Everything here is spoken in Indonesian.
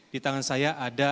di tangan saya ada